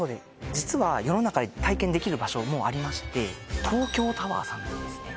実は世の中に体験できる場所もうありまして東京タワーさんでですね